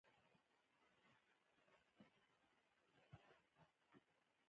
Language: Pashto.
هرات د ټولو افغانانو ژوند اغېزمن کوي.